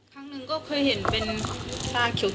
ครั้งหนึ่งก็เคยเห็นเป็นซากเขียววะ